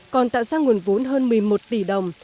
còn tạo ra nguồn vốn hơn một mươi một tỷ đồng